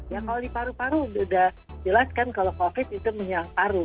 ya kalau di paru paru sudah jelas kan kalau covid itu menyerang paru